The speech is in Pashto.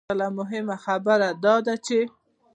بله مهمه خبره دا ده چې